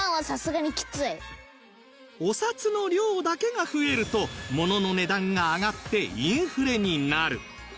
お札の量だけが増えるとものの値段が上がってインフレになる